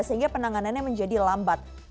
sehingga penanganannya menjadi lambat